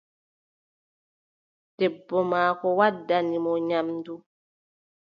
Debbo maako waddani mo nyamndu.